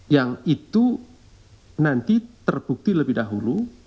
yang itu nanti terbukti lebih dahulu